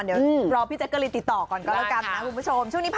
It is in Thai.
เดี๋ยวรอพี่แจ๊กกะลินติดต่อก่อนก็แล้วกันนะคุณผู้ชม